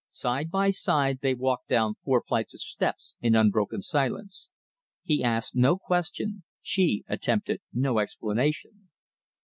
Side by side they walked down four flights of steps in unbroken silence. He asked no question, she attempted no explanation.